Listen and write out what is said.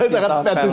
sangat pencipta film